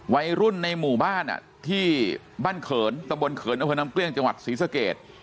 วัยรุ่นในหมู่บ้านที่บ้านเขินตะบนเขินอำเภอน้ำเกลี้ยงจังหวัดศรีสเกต